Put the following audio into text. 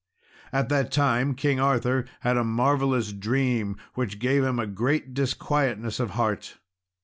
At that time King Arthur had a marvellous dream, which gave him great disquietness of heart.